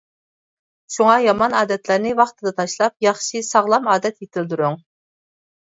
شۇڭا يامان ئادەتلەرنى ۋاقتىدا تاشلاپ، ياخشى، ساغلام ئادەت يېتىلدۈرۈڭ.